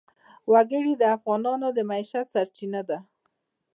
وګړي د افغانانو د معیشت سرچینه ده.